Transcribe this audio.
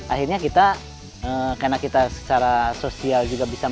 akhirnya kita karena kita secara sosial juga bisa